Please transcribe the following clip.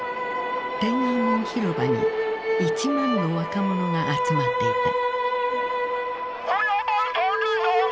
天安門広場に１万の若者が集まっていた。